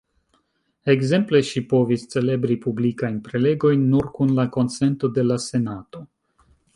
Ekzemple, ŝi povis celebri publikajn prelegojn nur kun la konsento de la Senato.